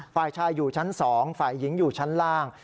ฝ่ายชายอยู่ชั้น๒ฝ่ายหญิงอยู่ชั้นล่าง